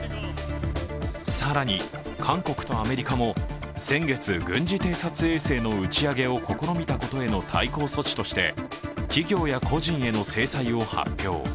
更に、韓国とアメリカも先月、軍事偵察衛星の打ち上げを試みたことへの対抗措置として企業や個人への制裁を発表。